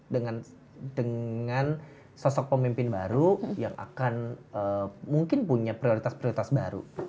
dengan sosok pemimpin baru yang akan mungkin punya prioritas prioritas baru